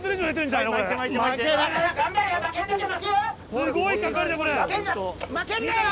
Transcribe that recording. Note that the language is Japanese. すごいかかりだこれ。